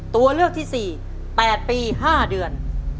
ตัวเลือกที่๔๘ปี๕เดือน